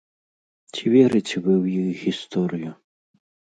Ці верыце вы ў іх гісторыю?